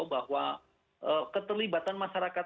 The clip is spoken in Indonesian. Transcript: bahwa keterlibatan masyarakat